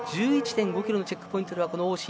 １１．５ｋｍのチェックポイントでは王晨